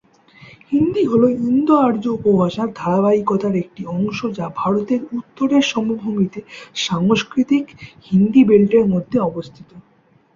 হিন্দি হল ইন্দো-আর্য উপভাষার ধারাবাহিকতার একটি অংশ যা ভারতের উত্তরের সমভূমিতে সাংস্কৃতিক হিন্দি বেল্টের মধ্যে অবস্থিত।